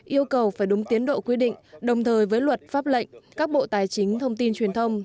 yêu cầu phải đúng tiến độ quy định đồng thời với luật pháp lệnh các bộ tài chính thông tin truyền thông